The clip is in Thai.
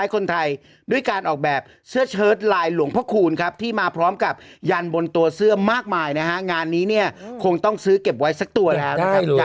คนไทยด้วยการออกแบบเสื้อเชิดลายหลวงพระคูณครับที่มาพร้อมกับยันบนตัวเสื้อมากมายนะฮะงานนี้เนี่ยคงต้องซื้อเก็บไว้สักตัวแล้วนะครับ